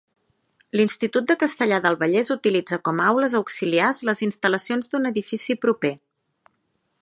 L'Institut de Castellar del Vallès utilitza com aules auxiliars les instal·lacions d'un edifici proper.